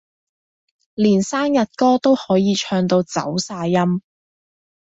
連生日歌都可以唱到走晒音